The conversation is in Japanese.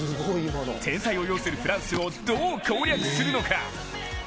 天才を擁するフランスをどう攻略するのか。